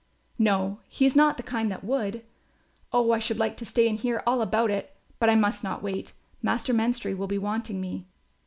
"No, he is not the kind that would. Oh, I should like to stay and hear all about it! But I must not wait, Master Menstrie will be wanting me."